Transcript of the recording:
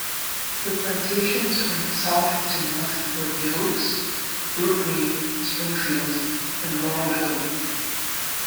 The plantations from south to north were The Oaks, Brookgreen, Springfield, and Laurel Hill.